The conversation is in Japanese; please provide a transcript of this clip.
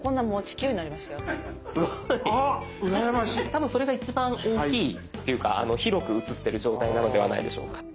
多分それが一番大きいというか広く映ってる状態なのではないでしょうか。